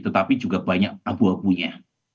tetapi juga banyak abu abunya